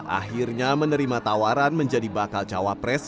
akhirnya menerima tawaran menjadi bakal cawapres